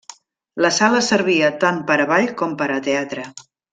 La sala servia tant per a ball com per a teatre.